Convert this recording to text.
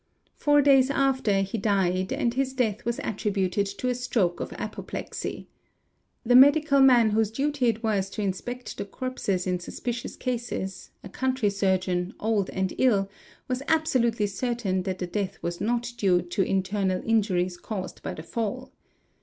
'Four days after he died — and his death was attributed to a stroke of apoplexy. The medical man — whose duty it was to inspect the corpses in suspicious cases, a country — surgeon, old and ill, was absolutely certain that death was not due to : internal injuries caused by the fall.